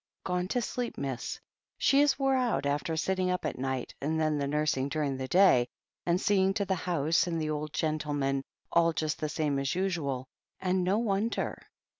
'Gone to sleep, miss. She is wore out, after sitting up at night, and then the nursing during the day, and seeing to the house and the old gentleman, all just the same as usual — ^and no wonder."